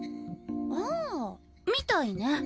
ああみたいね。